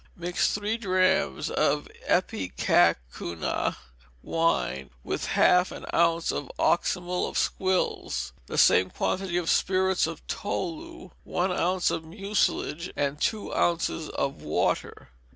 Mix three drachms of ipecacuanha wine with half an ounce of oxymel of squills, the same quantity of spirits of tolu, one ounce of mucilage, and two ounces of water.